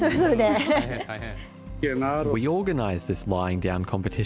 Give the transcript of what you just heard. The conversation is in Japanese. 大変。